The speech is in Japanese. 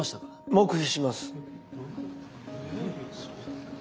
黙秘します。